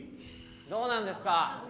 どうなんですか？